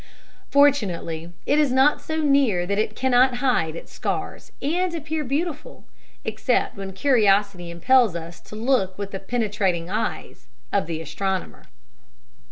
Fortunately, it is not so near that it cannot hide its scars and appear beautiful—except when curiosity impels us to look with the penetrating eyes of the astronomer.